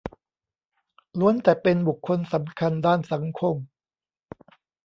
ล้วนแต่เป็นบุคลสำคัญด้านสังคม